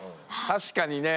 確かにね。